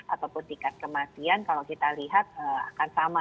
ataupun tingkat kematian kalau kita lihat akan sama